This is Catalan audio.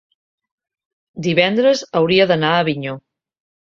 divendres hauria d'anar a Avinyó.